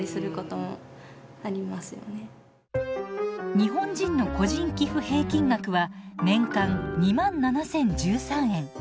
日本人の個人寄付平均額は年間２７，０１３円。